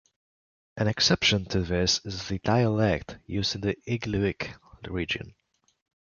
An exception to this is the dialect used in the Igloolik region.